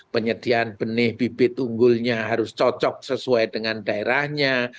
penyediaan benih bibit unggulnya harus cocok sesuai dengan daerahnya